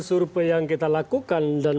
survei yang kita lakukan dan